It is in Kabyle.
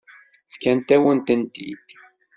Fkant-awen-tent-id.